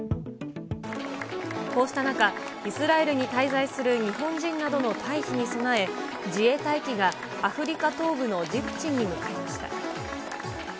こうした中、イスラエルに滞在する日本人などの退避に備え、自衛隊機がアフリカ東部のジブチに向かいました。